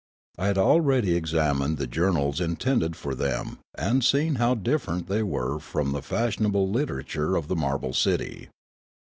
I had already examined the journals intended for them and seen how different they were from the fash ionable literature of the marble city.